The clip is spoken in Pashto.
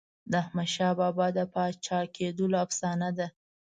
د احمدشاه بابا د پاچا کېدلو افسانه ده.